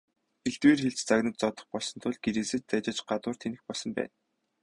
Элдвээр хэлж, загнаж зодох болсон тул гэрээсээ ч дайжиж гадуур тэнэх болсон байна.